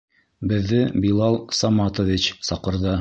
Беҙҙе Билал Саматович саҡырҙы.